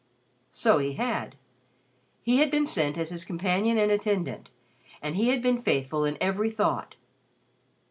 So he had. He had been sent as his companion and attendant, and he had been faithful in every thought.